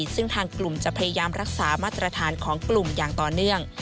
ซึ่งทางกลุ่มจะพยายามรักษามาตรฐานของกลุ่มอย่างต่อเนื่อง